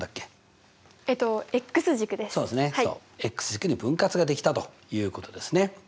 軸に分割ができたということですね。